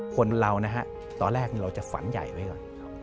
คนเรานะฮะตอนแรกเราจะฝันใหญ่ไว้ก่อน